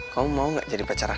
kamu mau gak jadi pacar aku